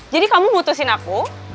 jadi kamu putusin aku